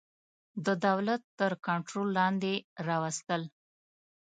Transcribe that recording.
د دولت تر کنټرول لاندي راوستل.